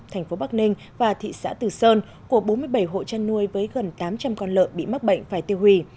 thành phố bắc ninh và thị xã từ sơn của bốn mươi bảy hộ chăn nuôi với gần tám trăm linh con lợn bị mắc bệnh phải tiêu hủy